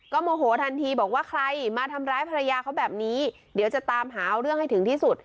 โมโหทันทีบอกว่าใครมาทำร้ายภรรยาเขาแบบนี้เดี๋ยวจะตามหาเอาเรื่องให้ถึงที่สุด